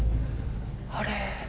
あれ？